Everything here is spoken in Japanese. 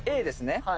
Ａですね